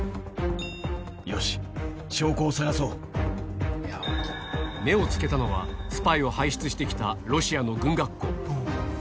よし、目をつけたのは、スパイを輩出してきたロシアの軍学校。